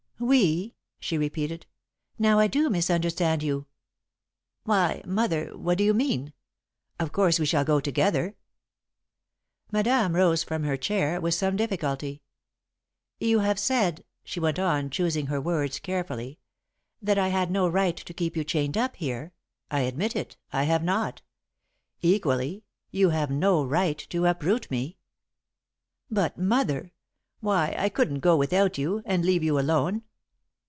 "'We,'" she repeated. "Now I do misunderstand you." "Why, Mother! What do you mean? Of course we shall go together!" Madame rose from her chair, with some difficulty. "You have said," she went on, choosing her words carefully, "that I had no right to keep you chained up here. I admit it I have not. Equally, you have no right to uproot me." [Sidenote: One's Own Choice] "But, Mother! Why, I couldn't go without you, and leave you alone.